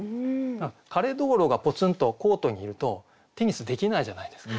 枯蟷螂がポツンとコートにいるとテニスできないじゃないですか。